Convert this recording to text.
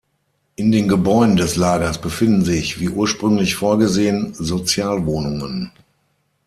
In den Gebäuden des Lagers befinden sich, wie ursprünglich vorgesehen, Sozialwohnungen.